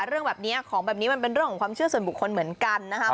เรื่องแบบนี้ของแบบนี้มันเป็นเรื่องของความเชื่อส่วนบุคคลเหมือนกันนะครับ